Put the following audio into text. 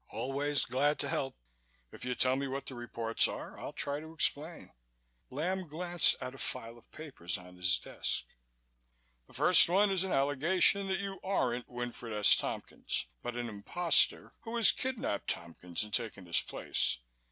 "Always glad to help," I assured him. "If you'll tell me what the reports are, I'll try to explain." Lamb glanced at a file of papers on his desk. "The first one is an allegation that you aren't Winfred S. Tompkins, but an imposter who has kidnapped Tompkins and taken his place.